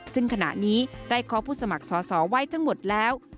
ซึ่งขณะนี้ได้เคาะผู้สมัครสอสอไว้ทั้งหมดแล้ว